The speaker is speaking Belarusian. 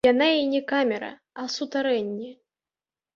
Яна і не камера, а сутарэнне.